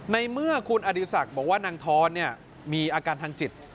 ในเมื่อคุณอดีศักดิ์บอกว่านางท้อนมีอาการทางจิต